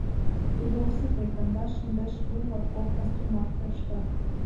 Тудо ок сите — кандаш, индеш, лу, латкок пасу марте ыштат.